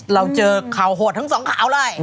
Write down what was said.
เราเจอข่าวโหดทั้งสองข่าวเลย